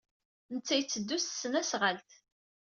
Netta yetteddu s tesnasɣalt.